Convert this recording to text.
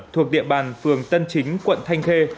thuộc địa bàn phường tân chính quận thanh khê